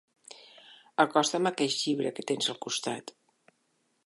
Acosta'm aqueix llibre que tens al costat.